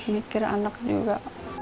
mikir anak juga